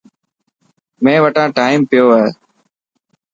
مين وٽان ٽائم پيو هي.